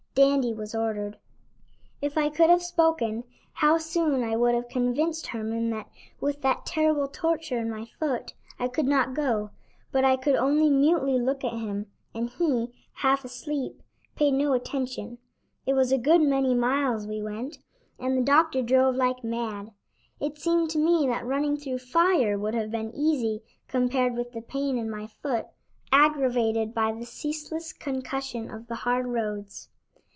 Dandy was ordered. If I could have spoken, how soon I would have convinced Herman that, with that terrible torture in my foot, I could not go, but I could only mutely look at him, and he, half asleep, paid no attention. It was a good many miles we went, and the doctor drove like mad. It seemed to me that running through fire would have been easy compared with the pain in my foot, aggravated by the ceaseless concussion of the hard roads.